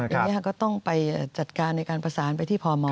อย่างนี้ก็ต้องไปจัดการในการประสานไปที่พม